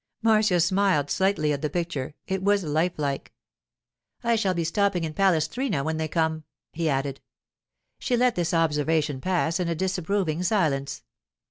Marcia smiled slightly at the picture; it was lifelike. 'I shall be stopping in Palestrina when they come,' he added. She let this observation pass in a disapproving silence.